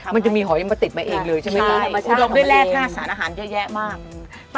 มันจะมีหอยมาติดมาเองใช่ไหมคะ